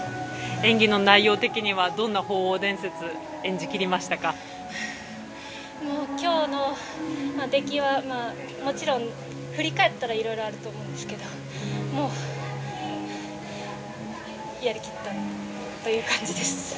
演技の内容的にはどんな「鳳凰伝説」を今日の出来はもちろん、振り返ったらいろいろあると思うんですけどもうやり切ったという感じです。